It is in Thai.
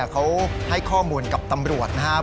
เขาให้ข้อมูลกับตำรวจนะครับ